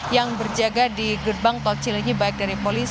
yang berjaga di gerbang tol cilenyi